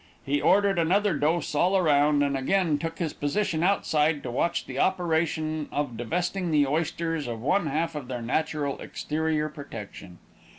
He ordered another dose all around, and again took his position outside to watch the operation of divesting the oysters of one half of their natural exterior protection.